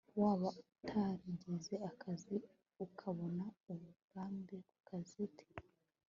waba utarigeze akazi, ukabona uburambe ku kazi ute